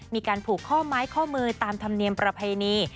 มีการผูกข้อไม้ข้อมือตามธรรมเนียมประเพณี